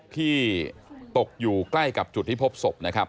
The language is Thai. ที่ตกอยู่ใกล้กับจุดที่พบศพนะครับ